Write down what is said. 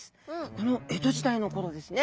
この江戸時代の頃ですね。